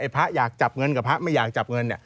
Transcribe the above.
พระอยากจับเงินกับพระไม่อยากจับเงิน